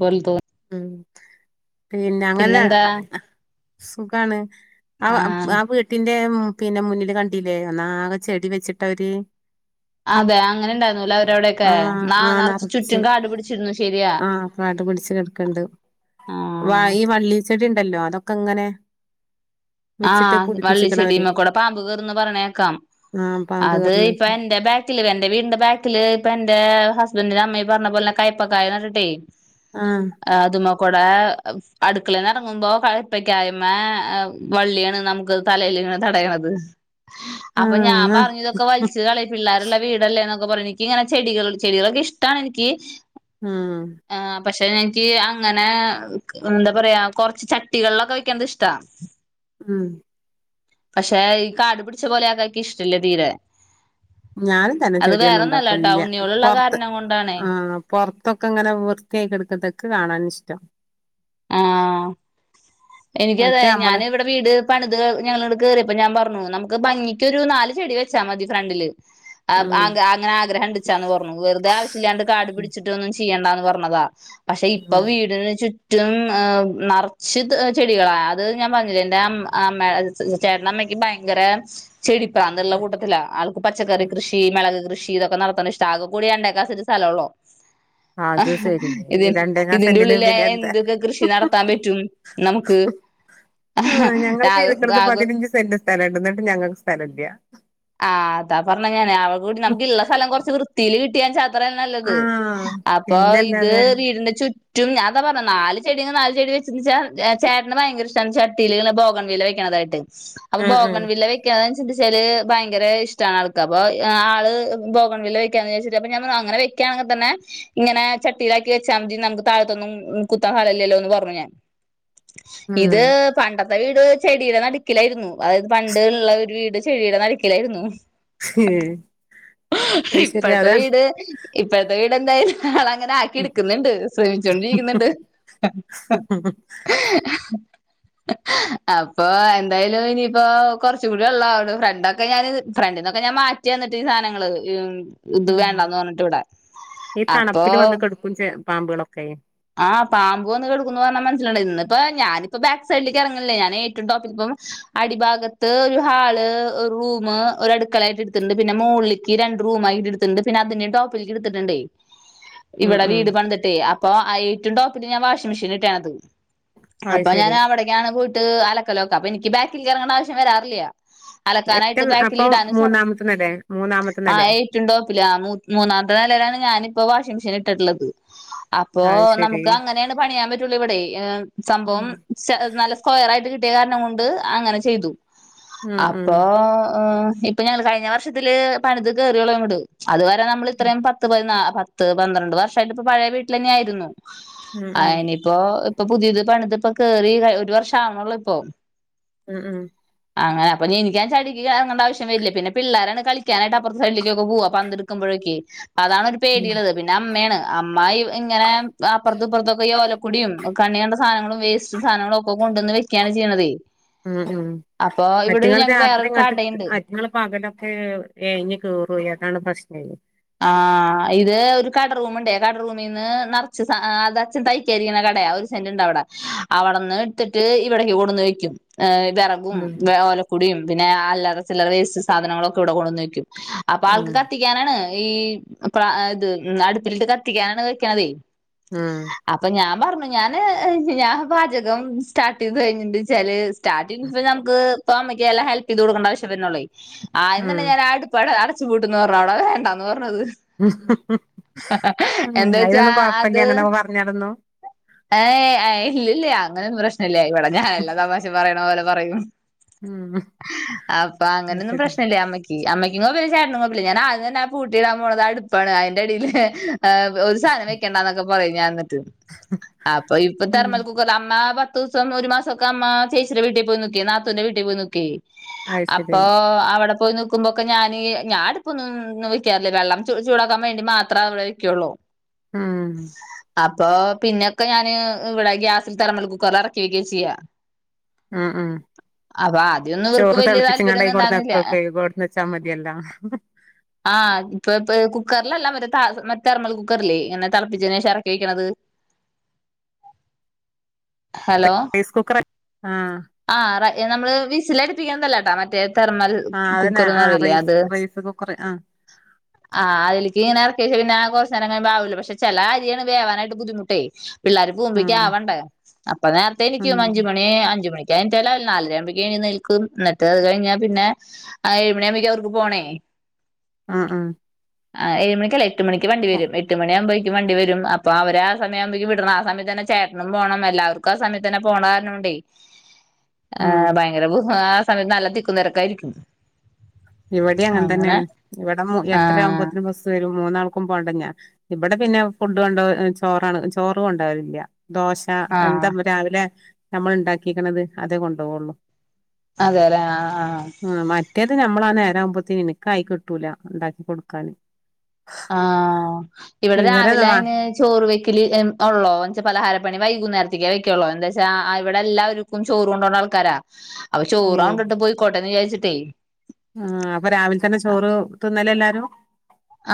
പോലെ തോന്നി ഉം പിന്നെ അങ്ങനെ പിന്നെന്താ സുഖാണ് ആ ആ വീട്ടി പിന്നെ മുന്നില് കണ്ടീല്ലേ ഒന്നാകെ ചെടി വെച്ചിട്ട്ഓര് അതെ അങ്ങനെ ഇണ്ടായിരുന്നുഇല്ലേ അവരവിടെയൊക്കെ ആ നാ ആ നറച്ചും നറച്ച് ചുറ്റും കാട് പിടിച്ചിരുന്നു ശെരിയാ ഇണ്ട് വ ഈ വള്ളി ചെടി ഉണ്ടല്ലോ അതൊക്കെ ഇങ്ങനെ- വെച്ചിട്ട് ആഹ് പുടിപ്പിച്ചിക്കണ അവര് വള്ളിച്ചെടിയമ്മേ കൂടെ പാമ്പ് കേറും എന്ന് പറയണ കേക്കാം ആ പാമ്പ് അത് കേറണ ഇപ്പ എന്റെ ബാക്കില് എന്റെ വീടിന്റെ ബാക്കില് ഇപ്പ എന്റെ - ഹസ്ബൻഡിന്റെ അമ്മ പറഞ്ഞ പോലെ കയ്പ്പക്കായ കണ്ടിട്ടെ - ആ അത് മാ കൂടെ അടുക്കലന്ന് ഇറങ്ങുമ്പോ കപ്പൊക്കാ [unintelligible] യ്മ വള്ളിയാണ് നമുക്ക് തലൽ തടയണത് ആ അപ്പൊ ഞാൻ ആ പറഞ്ഞു ഇതൊക്കെ വലിച്ച് കളയേ പിള്ളേരുള്ള വീടല്ലേന്നൊക്കെ എനിക്ക് ഇങ്ങനെ ചെടികള് ചെടികളൊക്കിഷ്ടാണ് എനിക്ക് ആഹ് പഷേ എനിക്ക് അങ്ങനെ എന്താ പറയാ കൊറച്ച് ചട്ടികളിലൊക്കെ വെക്കണത് ഇഷ്ടാ ഉം പക്ഷെ ഈ കാടുപിടിച്ച പോലെക്കക്ക് ഇഷ്ടല്ലേ തീരെ ഞാനും തന്നെ അത് ചെടിയൊന്നും വേറൊന്നല്ല ട്ടോ ഉണ്ടാക്കാലില്ല ഉണ്ണിയോളുള്ള പുറത്ത് കാരണം കൊണ്ടാണേ ആ പുറത്തൊക്കെ ഇങ്ങനെ വൃത്തിയായി എടുക്കതൊക്കെ കാണാ ഇഷ് [unintelligible] ആ എനിക്കതെ മറ്റേ ഞാൻ നമ്മള് ഇവടെ വീട് പണിത് ഞങ്ങള്ങ്ങട് കേറ്യ അപ്പൊ ഞാം പർഞ്ഞു നമക്ക് ഭംഗി ക്കൊരു നാല് ചെടി വെച്ചാ മതി ഫ്രണ്ടില്. ആ ഉം ആഗ് അങ്ങനെ ആഗ്രഹം ണ്ടിച്ചാന്ന് പറഞ്ഞു വെറുതെ ആവശ്യല്ലാണ്ട് കാട് പിടിച്ചിട്ടൊന്നും ചെ ചെയ്യണ്ടാന്ന് പറഞ്ഞതാ പക്ഷെ ഇപ്പ വീടിന് ചുറ്റ് ചുറ്റും നർച്ചു ചെടികളാണ് അത് ഞാൻ പറഞ്ഞിലെ എന്റ്റേ അം അമ്മ ചേട്ടന്റമ്മക്ക് ഭയങ്കര ചെടിപ്രാന്ത്ള്ള ഉം കൂട്ടത്തിലാ ആൾക്ക് പച്ചക്കറി കൃഷി മെളക് കൃ കൃഷി ഇതൊക്കെ നടത്തണെ ഇഷ്ടാ ആകെ കൂടി രണ്ടേക്കാ സെന്റ് സ്ഥലോള്ളു അത് ശരി രണ്ടേകാ സെന്റില് പിന്നെ എന്താ ഇതൊക്കെ കൃഷി നടത്താൻ പറ്റും നമുക്ക് ആ ആക് ആക് സ്ഥലം ഇടുന്നിട്ട് ഞങ്ങക്ക് സ്ഥലംല്ലൃ ആഹ് അതാ പറഞ്ഞ ഞാന് നമുക്കിള്ള സ്ഥലം കൊറച്ച് വൃത്തിയിൽ കി ട്ടിയാ ച അത്രം നല്ലത് ആഹ് അപ്പൊ ഇത് പിന്നല്ലാതെ വീടിന്റെ ചുറ്റ് ചുറ്റും ഞാൻ അതാ പറഞ്ഞേ നാല് ചെടി നാല് ചെടി വെച്ചെന്ന്ച്ചാ ചേട്ടന് ഭയങ്കര ഇഷ്ടാണ് ചട്ടീല് ബോഗൺ വില്ല വെക്കണതായിട്ട് അത് ഉം ഉം ബോഗൺ വില്ല വെക്കാൻ ചിന്തിച്ചാല് ഭയങ്കര ഇഷ്ടാണ് ആൾക്ക് അപ്പൊ ആള് ബോഗൺ വില്ല വെക്കാന്ന് വെച്ച് അപ്പ ഞാൻ അങ്ങനെ വെക്കാണെങ്കിൽ തന്നെ ഇങ്ങനെ ചട്ടിയിലാക്കി വെച്ചാൽ മതി നമുക്ക് താഴത്തൊന്നും കുത്താൻ സ്ഥലലില്ലല്ലോന്ന് പറഞ്ഞു ഞാൻ ഉം ഇത് പണ്ടത്തെ വീട് ചെടിയുടെ നടുക്കിലായിരുന്നു അതായത് പണ്ടുള്ള ഒരു വീട് ചെടിയുടെ നടുക്ക് ക്കിലായിരുന്നു [unintelligible] അത് ശരി ഇപ്പഴത്തെ അതാ വീട് ഇപ്പഴത്തെ വീ എന്തായാലും [unintelligible] അങ്ങനെ ആക്കി എടുക്കുന്നുണ്ട് ശ്രമിച്ചോണ്ടിരിക്കുന്നുണ്ട് അപ്പൊ എന്തായാലും ഇനിയിപ്പോ കൊറച്ചൂടെ ഉള്ള അവിടെ ഫ്രണ്ടൊക്കെ ഞാന് ഫ്രണ്ടിന്നൊക്കെ ഞാൻ മാറ്റി എന്നിട്ട് ഈ സാധന ങ്ങള് ഇത് ഉം വേണ്ടാന്ന് പറഞ്ഞിട്ട് ഇവിടെ ഈ അപ്പൊ തണുപ്പില് വന്ന് കെടുക്കും ചെ പാമ്പുകളൊക്കെ ആഹ് പാമ്പ് വന്നു കെടക്കൂന്ന് പറഞ്ഞാ മനസ്സിലാവണ്ടേ ഇന്നിപ്പോ ഞാനിപ്പ ബാക്ക് സൈഡിലേക്ക് ഇറങ്ങണില്ലെ ഞാൻ ഏറ്റവും ടോപ്പിലിപ്പം അടിഭാഗത്ത് ഒരു ഹാള് ഒരു റൂം ഒരു അടുക്കള ആയിട്ട് എടുത്തിട്ടുണ്ട് പിന്നെ മോളിക്ക് രണ്ട് റൂം ആയിട്ട് എടുത്തിട്ടുണ്ട് പിന്നെ അതിന്റെ ടോപ്പിലേക്ക് എടുത്തിട്ടുണ്ടേ ഉം ഇവിടെ ഉം വീട് പണ്തിട്ടെ അപ്പ് ആ ഏറ്റും ടോപ്പിൽ ഞാൻ വാഷിങ്മെഷീൻ ഇട്ടേണത് അത് അപ്പൊ ഞാൻ ശരി അവിടേക്കാണ് പോയിട്ട് ക്ക് അലക്കലോക്കെ അപ്പ എനിക്ക് ബാക്കിൽ ഇറങ്ങേണ്ട ആവശ്യം വരാറില്ല അലക്കാനായിട്ട് ഏറ്റം ബാക്കിൽ അപ്പം ഇടാനും സറി മൂന്നാമത്തെ നെലെ മൂന്നാമത്തെ ആ നെലെ ഏറ്റും ടോപ്പില് ആ മൂന്നാമത്തെ നിലയിലാണ് ഞാൻ ഇപ്പൊ വാഷിംഗ് മെഷീൻ ഇട്ടിട്ടുള്ളത് ഇപ്പൊ അത് ശരി നമുക്ക് അങ്ങനെണ് പണിയാം പറ്റൊള്ളൂ ഇവടെ ഏ ഉം സംഭവം സ് നല്ല സ്കൊയറായിട്ട് കി ട്ട്യാകാരണം കൊണ്ട് അങ്ങനെ ചെയ്തു ഉം ഉം അപ്പൊ അ് ഇപ്പൊ ഞങ്ങള് കഴിഞ്ഞ വർഷത്തില് പണിത് കേറ്യോ ള്ളൂ അങ്ങട് അത് വരെ നമ്മളിത്രയും പത്ത് പതിനാ പത്ത് പന്ത്രണ്ട് വർഷായിട്ട്പ്പ പഴയ വീ ട്ടിലെന്നായിരുന്നു ഉം ഉം അയ്നിപ്പോ ഇപ്പോ പുതിയത് പണിത് ഇപ്പോ കേറി ഒരു വർഷം ആവണള്ളൂ ഇപ്പോ. ഉം ഉം. അങ്ങനെ അപ്പ എനിക്കാൻ ചടിക്കുക എന്നുള്ള ആവശ്യം വരില്ല പിന്ന പിള്ളാരാണ് കളിക്കാനായിട്ടപ്പുറത്ത് സൈഡിലേകൊക്കെ പോവാ പന്ത് എടുക്കുമ്പോഴൊക്കെ. അതാണ് ഓരോ ഉം പേടിയുള്ളത് പിന്നെ അമ്മയാണ്. അമ്മായി ഇങ്ങനെ അപ്പുറത്ത് ഇപ്പുറത്തൊക്കെ ഈ ഓലക്കുടിയും കണ്ണി കണ്ട സാധനങ്ങളും വേസ്റ്റ് സാധനങ്ങളും ഒക്കെ കൊണ്ടുവന്ന് വെക്കുകയാണ് ചെയ്യ്ണതേ. ഉം ഉം അറ്റുങ്ങള് രാത്രി വേറൊരു ഇങ്ങട്ട് കടയുണ്ട് അറ്റങ്ങള് പകലോ ഏ ഇനി കയറു അതാണ് പ്രശ്നേ ആ ഇത് ഒരു കട റൂമുണ്ടേ കടറൂമിൽന്ന് നിറച്ച് സാ ആ അത് അച്ഛൻ തയ്ക്കാരിക്കുന്ന കടയാ ഒരു സെന്റ് ഇണ്ട അവിടെ അവിടെന്ന് എടുത്തിട്ട് ഇവിടേക്ക് കൊടുന്ന് വെക്കും ഏഹ്. വെറകും ഉം ഓലക്കുടിയും. പിന്നെ അല്ലറ ചില്ലറ വേസ്റ്റ് സാധനങ്ങളൊക്കെ ഇവിടെ കൊണ്ടന്ന് വയ്ക്കും. അപ്പോ ഉം ആൾക്ക് കത്തിക്കാനാണ്. ഈ പ്ര ഇത് അടുപ്പിലിട്ട് കത്തിക്കാനാണ് വെക്കണതേ ഉം അപ്പോ ഞാ പറഞ്ഞു ഞാന് ഞാ പാചകം സ്റ്റാർട്ട്ത് കഴിഞ്ഞിണ്ട് ചെലേ സ്റ്റാർട്ടി നമ്മക്ക് ഇപ്പൊ അമ്മക്ക് എല്ലാം ഹെൽപ് ചെയ്ത് കൊടുക്കേണ്ട ആവശ്യം വരുന്നുള്ളേ. ആഹ് എന്നന്നെ ഉം ഞാൻ ആടുപ്പാട ചു കൂട്ടുന്ന് പറ അവിടെ വേണ്ട ഹ് ഹ് ഹ് [inaudible] ഏഹ് എ [unintelligible] ഇല്ലില്ല്യ അങ്ങനൊന്നും പ്രശ്നല്ല ഇവടെ ഞാ ഏല്ലാ തമാശെം പറയ ണോലെ പറയും ഉം അപ്പ അത് അങ്ങനൊന്നും ശരി പ്രശ്നല്ല അമ്മയ്ക്ക് അമ്മയ് ഈങ്ങോ പിന്നെ ചേട്ടനും കൊഴപ് ല്ല ഞാനാദ്യം തന്നെ പൂട്ടിയിടാൻ പോണത് അടുപ്പാണ് അയ്ന്റെടിയില് എഹ് ഒരു സാനെ വക്കണ്ടാന്നൊക്കെ പ് പറയും ഞാൻ ന്നിട്ട് അപ്പൊ ഉം തിഹ്സം ഒരു മാസ് അത് ശരി പോയി നിക്കുമ്പൊക്കെ ഞാന് ഞാൻ ഞാനടുപ്പൊന്നും വക്കാറില്ല വെള്ളം ചൂടാക്കാൻ വേണ്ടി മാത്രാ അവിടെ വെക്കുള്ളൂ. ഉം അപ്പൊ പിന്നൊക്കെ ഞാന് ഇവിടെ ഗ്യാസിൽ തെർമൽ കുക്കറിൽ ഇറക്കി വെക്കാ ചെയ്യാ. ഉം ഉം അപ്പൊ ആദ്യമൊന്നും ഇവർക്ക് ചോറ് വലിയ തിളപ്പിച്ചങ്ങാണ്ടേ താല്പര്യമൊന്നും അയികൊണ്ടെന്നു ഉണ്ടായിരുന്നില്ല ഇറക്കി വെക്കുവാ [unintelligible] വെച്ചാ മതിയല്ലോ ആഹ് ഇപ്പൊ ഇപ്പ കുക്കറിലല്ല ഒരു മറ്റേ ത തെർമ്മൽ കുക്കറില്ലേ ഇങ്ങനെ തിളപ്പിച്ചതിന് ശേഷം ഇറക്കി വക്കണത്. ഹലോ റൈസ് കുക്കർ ആഹ് ആഹ് റ നമ്മള് വിസിൽ അടിപ്പിക്കണതല്ലാട്ടാ മറ്റേ തെർമൽ ആഹ് അതന്നെ കുക്കർന്ന് ആഹ് പറയില്ലേ റൈസ് അത് റൈസ് കുക്കർ ആഹ് ആ അതിലിക്ക് ഇങ്ങനെ ഇറക്കി വെച്ച പിന്നെ കുറച്ച് നേരം കഴിയുമ്പോ ആവുലോ പക്ഷേ ചില അരിയാണ് വേവാനായിട്ട് ബുദ്ധിമുട്ടേ പിള്ളാര് പോവുമ്പേക്ക് ഉം ആവണ്ടേ അപ്പ നേരത്തെ ഉം എണീക്കും അഞ്ച് ആഹ് മണി അഞ്ചു മണി [unintelligible] നാലര ആകുമ്പഴക്ക് എഴുന്നേൽക്കും എന്നിട്ട് അത് കഴിഞ്ഞാ പിന്നെ ഏഴുമണി ആകുമ്പഴേക്ക് അവർക്ക് പോണേ. ആഹ് ആഹ് ആ ഏഴ് മണിക്കല്ലേ? എട്ട് മണിക്ക് വണ്ടി വരും എട്ട് മണി ആവുമ്പോ വണ്ടി വരും അപ്പൊ അവ ആ സമയം ആവുമ്പേക്ക് വിടണം ആ സമയത്ത് തന്നെ ചേട്ടനും പോണം എല്ലാവർക്കും ആ സയത്തന്നെ പോണ കാരണം കൊണ്ടേ ആഹ് ഏഹ് ഭയങ്കര ബു സമയത്ത് നല്ല തിക്കും തിരക്കുമായിരിക്കും. ഇവിടെ അങ്ങനെ തന്നെയാണ് ഇവിടെ മൂ എട്ടര ആഹ് ആവുമ്പോഴേക്ക് ബസ്സ് വരും മൂന്നാ ക്കും പോണ്ടന്നെയാ ഞാൻ ഇവിടെ പിന്നെ ഫുഡ് കൊണ്ടാ ചോറാണ് ചോറ് കൊണ്ടു പോകലില്ല. ദോശ എന്താ ആഹ് രാവിലെ നമ്മൾ ഉണ്ടാക്കിക്കണത് അതേ കൊണ്ടു പോവുള്ളു. അതെല്ലേ ആഹ് ആഹ് ക്കേത് നമ്മള നേര ആവുമ്പോത്തേന് എനിക്കായി കിട്ടൂല ഉണ്ടാക്കി കൊടുക്കാൻ. ആഹ് ഇവിടെ രാവിലെ അയിന് ചോറ് വെക്കല് ഉള്ളോ എന്ന് വെച്ച പലഹാര വൈകുന്നേരത്തേക്കെ വെക്കുള്ളൂ എന്താ വച്ചാ ഇവിടെ എല്ലാവർക്കും ചോറും കൊണ്ടോണ്ട ആൾക്കാരാ. അപ്പൊ ചോറാവണ്ടിട്ട് പോയിക്കോട്ടെന്ന് വിചാരിച്ച് [unintelligible] ആ അപ്പൊ രാവിലെ തന്നെ ചോറ് തിന്നലാ എല്ലാരും?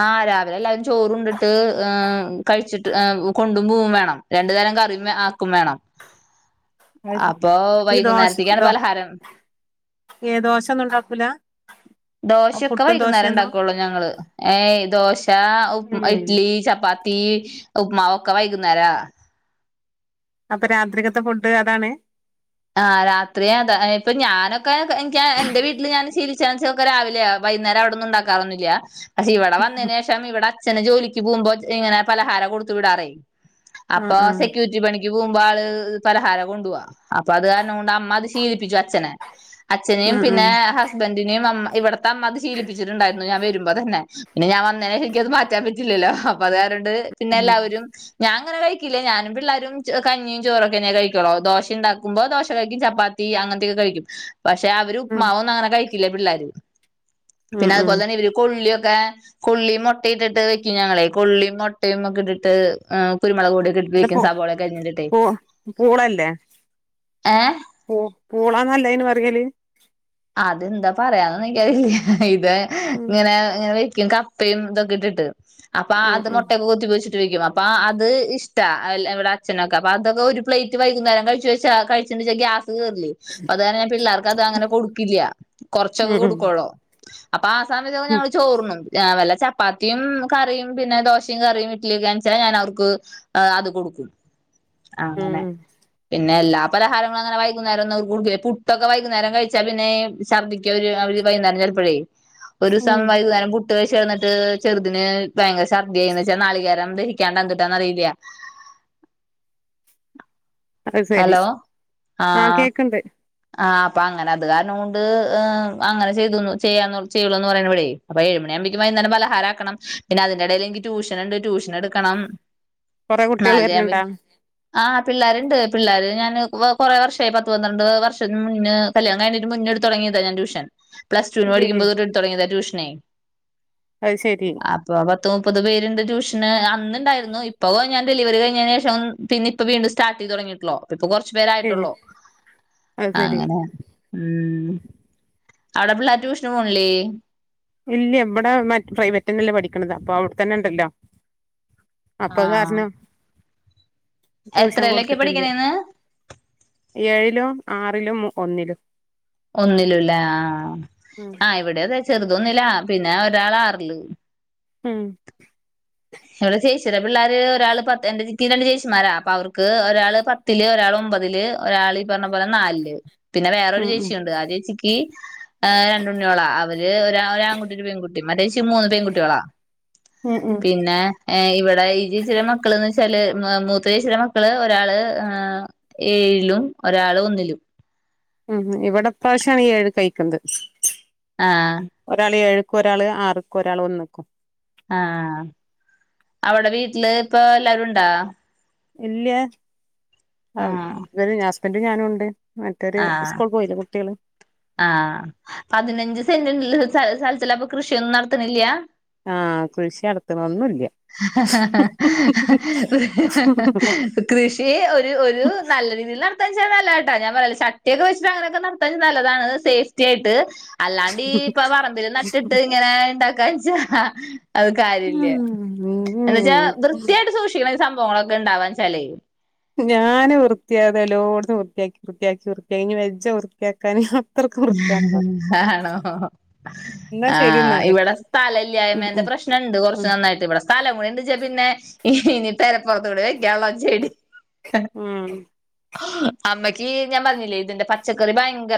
ആ രാവിലെ എല്ലാവരും ചോറുണ്ടിട്ട് ഏഹ് കഴിച്ചിട്ട് ഏഹ് കൊണ്ടു പോവും വേണം രണ്ടു തരം കറിയും വേം ആക്കും വേണം. അത് ശരി. അപ്പൊ ഈ ദോശ വൈകുന്നേരത്തേക്കാണ് ദോ പലഹാരം ഏഹ് ദോശൊന്നും ഉണ്ടാക്കൂല ദോശൊക്കെ പുട്ടും വൈകുന്നേരം ദോശയൊന്നും ഇണ്ടാക്കുള്ളു ഞങ്ങള്. ഏയ് ദോശ ഏഹ് ഇഡ്ലി ചപ്പാത്തി ഉപ്പ്മാവ ഒക്കെ വൈകുന്നേരാ അപ്പൊ രാത്രികത്തെ ഫുഡ് അതാണ് ആഹ് രാത്രിയാ ത് ഇപ്പൊ ഞാനൊക്കെ എൻക്ക് എന്റെ വീട്ടില് ഞാൻ ശീലിച്ചാൻച്ചൊക്കെ രാവിലെയാ വൈകുന്നേരം അവിടന്നുംണ്ടാക്കാറൊന്നില്ല പക്ഷെ ഇവിടെ വന്നേന് ശേഷം ഇവിടെ അച്ഛന് ജോലി ക്ക് പോകുമ്പോ ഇങ്ങനെ പലഹാര കൊടുത്തു വിടാറേ അപ്പൊ ആഹ് ആഹ് സെക്യൂരിറ്റി പണിക്ക് ക്ക് പോകുമ്പോ ആള് പലഹാര കൊണ്ടുപോവാ അപ്പൊ അത് കാരണം കൊണ്ട് അമ്മ അത് ശീലിപ്പിച്ചു അച്ഛനെ അച്ഛനെയും ഉം പിന്നെ ഉം ഹസ്ബന്റിനെയും അമ്മ ഇവടെ ത്തമ്മ അത് ശീലിപ്പിച്ചിട്ടുണ്ടായിരുന്നു ഞാൻ വരുമ്പോ തന്നെ പിന്നെ ഞാൻ വന്നേനെശം എനിക്കത് മാറ്റാൻ പറ്റില്ലല്ലോ അപ്പ അത് കാര ണ്ട് പിന്നെ ഉം എല്ലാവരും ഞാൻങ്ങനെ കഴിക്കില്ലേ ഞാനും പിള്ളാരും ച കഞ്ഞിയും ചോറൊക്കെന്നെ കഴിക്കൊള്ളോ ദോശിം ഉണ്ടാ ക്കുമ്പോ ദോശ കഴിക്കും ചപ്പാത്തി അങ്ങനത്തെയൊക്കെ കഴിക്കും പക്ഷെ അവര് ഉം ഉപ്പ്മാവൊന്നങ്ങനെ കഴിക്കില്ലേ പിള്ളാർ ഉം പിന്നാ ഉം അതുപോലെതന്നെ കൊള്യൊ ക്കെ കൊള്ളീ മൊട്ടയിട്ടിട്ട് വെക്കും ഞങ്ങളെ കൊള്ളിം മൊട്ടെം ഒക്കെ ഇട്ടിട്ട് ഏ കുരു ഇത് പ പൂ പൂളല്ലേ ഏ പൂളാ ന്നല്ലേ അയ്ന് പറയല് അതെന്താ പറയാന്നൊന്നും ഇൻകറിയില്ല [unintelligible] ഉം ഇങ്ങനെ ഇങ്ങനെ ക്ക്യും കപ്പയും ഇതൊക്കെ ഇട്ടിട്ട് അപ്പൊ ഉം അത് ഉം മുട്ടയൊക്കെ കൊത്തിപ്പൊരിച്ചിട്ട് വെയ്ക്കും അപ്പൊ അത് ഇഷ് എവിടെ അച്നൊക്കെ അപ്പ അതൊക്കെ ഒരു പ്ലേറ്റ് വൈകുന്നേരം കഴിച്ചഴിച്ച് വച്ചാ കഴിച്ചെൻ്റേശം ഗ്യാ സ് കേറില്ലേ അത് കാരണം പിള്ളാർക്ക് അത് അങ്ങെനെ കൊടു ക്കില്ല ഉം കൊറച്ചൊക്കെ ഉം കൊടുക്കുള്ളൂ അപ്പ ആ സമയത്തൊക്കെ ഞങ്ങള് ചോറ് ന്നും വല്ല ചപ്പാത്തിയും കറിയും പിന്നെ ദോശയും കറിയും ഇഡ്ലിയൊക്കെണെച്ചാൽ ഞാൻ അവർക്ക് അത് കൊടുക്കും ആ ഉം ങ്ങനെ ഉം പി പിന്നെ എല്ലാ പലഹാരങ്ങളും അങ്ങനെ വൈകുന്നേരോന്നും കൊടുക്കില്ല പുട്ട് വൈകുന്നേരം കഴിച്ചാ ഉച്ചയ പിന്നെ ചർദ്ദിക്കൊരു ആ ഒരു വൈകുന്നേരം ചെലപ്പാഴേക്കും ഒരുസം ഉം വൈകുന്നേരം പു വെശന്നിട്ട് ചെറുതിന് പയങ്ക ചർദ്ദിയായിന് എന്ന് വച്ചാ നാളികേരം ദഹിക്കാൻ എന്തൂട്ടാന്ന് അറില്ല. അത് ശരി ആഹ് കേക്കണ്ട് ആഹ് അപ്പ അങ്ങന അത് കാരണം കൊണ്ട് ഇഹ് അങ്ങന ചെയ്യതു ചെയ്യാൻ ചെയ്യുള്ള എന്ന് പറയുമ്പോളെ അപ്പ ഏഴ് മണി ആവുമ്പോക്കും വൈകുന്നേരത്തെ പലഹാരം ആക്കണം പിന്നെ അതിനിടയിൽ എനിക്ക് ട്യൂഷൻ ഉണ്ട് ട്യൂഷൻ എടുക്കണം. കുറെ കുട്ടികൾ വരുന്നിണ്ട പിള്ളേരിണ്ട് പിള്ളേരെ ഞാൻ വേ കുറെ വർഷായി പത്ത് പത്രാണ്ടു വർഷം മുന്ന് കല്യാണം മുന്നേ എടുത്ത് തുടങ്ങിയത് ഞാൻ ട്യൂഷൻ പ്ലസ്ടുവിന് ഏയ് പഠിക്കുമ്പോൾ എടുത്ത് തുടങ്ങിയതാ ട്യൂഷൻ ന്നെ അത് ശരി പത്ത് മൂപ്പത് പേരിണ്ട് ട്യൂഷൻ അ അന്ന് ഉണ്ടാർന്നു ഇപ്പ ഓ ഞാൻ ഡെലിവറി കഴിഞ്ഞതിനു ശേഷം പിന്നെ ഇപ്പ വീണ്ടും സ്റ്റാർട്ട് ചെയ്തിട്ടുള്ളൂ ഇപ്പൊ കുറച്ചു ഏ പേരായിട്ടുള്ള അത് ശരി അങ്ങനെ ഉം അവിടെ പിള്ളേ ട്യൂഷന് പോണ്ല്ലേ ഇല്ല ഇവിടെ മറ്റ പ്രൈവറ്റ് തന്നെല്ലേ പഠിക്കണത് അപ്പൊ അവിടെ തന്നെ ഉണ്ടല്ലോ അപ്പൊ ആഹ് കാരണോ? ട്യൂഷൻ എത്രയിലൊക്കെ കൊടുത്തിട്ടില്ല. പഠിക്കണേന്ന് ഏഴിലും ആറിലും, ഒന്നിലും ഒന്നിലൂല്ലെ, ആഹ് ഉം ആ ഇവിടെതെ ചെ റ്തൊന്നില്ല, പിന്നെ ഒരാളാറില്. ഹ്മ്മ് ഇവിടെ ചേച്ചിരാ പിള്ളാര് ഒരാള് പത്ത് എനിക്ക് രണ്ട് ചേച്ചിമാരാ, അപ്പൊ അവർക്ക് ഒരാള് പത്തില്ല്, ഒരാള് ഒമ്പതില്, ഒരാള് ഈ പറഞ്ഞ പോലെ നാലില്. പിന്നെ വേറൊരു ഉം ഉം ചേച്ചിയുണ്ട് ആ ചേച്ചിക്ക് ആഹ് രണ്ടുണ്ണേളാ അവര് ഒ ഒരാൻകുട്ടി ഒരു പെൺകുട്ടി. [unintelligible] മൂന്ന് പെൺകുട്ടികളാ ഉം ഉം പിന്നെ ഏഹ് ഇവിടെ ഈ ചേച്ചിടെ മക്കൾന്ന് വെ ചില ഉം മൂത്ത ചേച്ചിടെ മക്കൾ ഒരാൾ ഏഹ് ഏഴിലും ഒരാൾ ഒന്നിലും ഉം ഇവടെ ഇപ്രശം ഇ ഏഴ് തയ്ക്കണത് [inaudible] ആഹ് ഒരാള് ആറ്ക്കും ഒരാള് ഒന്ന്ക്കും. ആഹ്, അവിടെ വീട്ടില് ഇപ്പ എല്ലാരുണ്ടാ? ഇല്ല. ആഹ് ഇവര് ഹസ്ബന്റ് ഞാനും ഉ [inaudible] മറ്റൊരു ആഹ് സ്കൂൾ പോയില്ലേ കുട്ടിയോള് ആഹ്, പതിനഞ്ച് സെൻ്റ് സ സ്ഥലത്തിലപ്പൊ കൃഷിയൊന്നും നടത്ത്ണില്ല ആ കൃഷി നടത്തണൊന്നുംല്ല. ഹ ഹ ഹ കൃഷിഒരു ഒരു നല്ല രീതിയിൽ നട താചാ നല്ലതട്ടാ ഞാൻ പറയല് ചട്ടിയൊക്കെ വച്ചിട്ട് അങ്ങനൊക്കെ നടത്താൻ നല്ലതാണ് സേഫ്റ്റി ആയിട്ട് അല്ലാണ്ട് ഈ പറമ്പില് നട്ടിട്ട് ഇപ്പ ഇങ്ങനെ ഇണ്ടാക്കാച്ചാ ആഹ് അത് കാര്യല്ല. എന്ന് വെച്ചാ വൃത്തിയായിട്ട് സൂക്ഷിക്ക ണ ഒരു സംഭവങ്ങളൊക്കെ ഇണ്ടാവാൻ വച്ചാലേ ഞാന് വൃത്തിയാത് എല്ലോട്തും വൃത്തിയാക്കി വൃത്തിയാക്കി വൃത്തിയാക്കി ഇനി വെജ വൃത്തിയാക്കാന്. അത്രക്ക് വൃത്തിയാക്കണം ആണോ, എന്നാ ആ ശരി എന്നാല് ഇവിടെ സ്ഥല ഉം ല്ലായ്മേന്റെ ഉം പ്രശ്നണ്ട് കുറച്ച് ഉം നന്നായിട്ട്, ഇവിടെ സ്ഥലം കൂടിണ്ട്ച്ചാ പിന്നെ ഇനി പെര പുറത്തു കൂടി വെക്കാള്ളൂ ചെടി. ഹ്മ്മ് അമ്മയ്ക്ക്, ഞാൻ പറഞ്ഞില്ലേ ഇതിന്റെ പച്ചക്കറി ഭയങ്കര